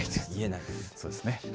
そうですね。